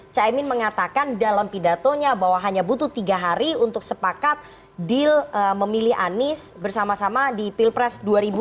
caimin mengatakan dalam pidatonya bahwa hanya butuh tiga hari untuk sepakat deal memilih anies bersama sama di pilpres dua ribu dua puluh